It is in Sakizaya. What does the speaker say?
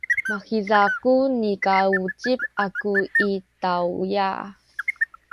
mahiza ku nikauzip aku i tawya.